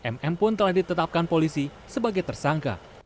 mm pun telah ditetapkan polisi sebagai tersangka